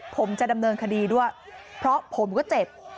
ผมจะดำเนินคดีด้วยเพราะผมก็เจ็บ